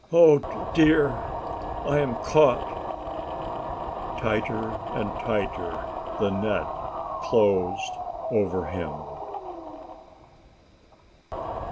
"Oh dear! I am caught!" Tighter and tighter the net closed over him.